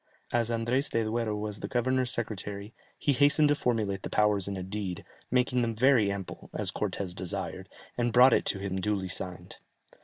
As Andrès de Duero was the governor's secretary, he hastened to formulate the powers in a deed, making them very ample, as Cortès desired, and brought it to him duly signed."